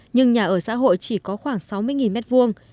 nhưng nhà ở xã hội chỉ có khoảng một triệu m hai